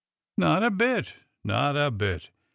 '' Not a bit ! not a bit